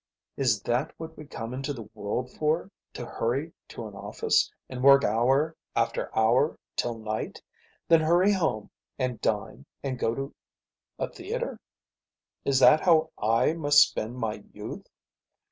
Is that what we come into the world for, to hurry to an office, and work hour after hour till night, then hurry home and dine and go to a theatre? Is that how I must spend my youth?